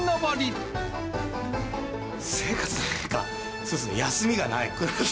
生活の変化、そうですね、休みがない。